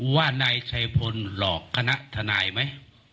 ว่านายชัยพลหลอกคณะทนายไหม